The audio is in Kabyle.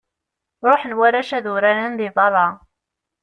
Ruḥen warrac ad uraren deg berra.